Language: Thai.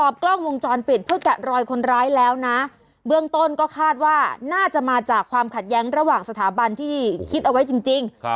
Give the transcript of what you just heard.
เบื้องต้นก็คาดว่าน่าจะมาจากความขัดแย้งระหว่างสถาบันที่คิดเอาไว้จริง